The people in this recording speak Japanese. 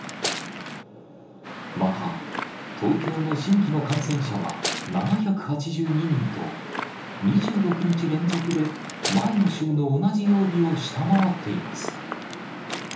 また、東京の新規の感染者は７８２人と、２６日連続で前の週の同じ曜日を下回っています。